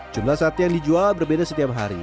jumlah sate yang dijual berbeda setiap hari